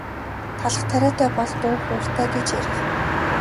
Талх тариатай бол дуу хууртай гэж ярих.